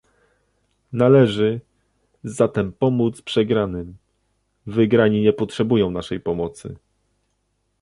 Należy, zatem pomóc przegranym - wygrani nie potrzebują naszej pomocy